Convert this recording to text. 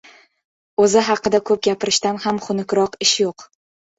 O‘zi haqida ko‘p gapirishdan ham xunukroq ish yo‘q.